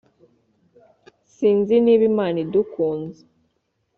Sinzi niba Imana idukunze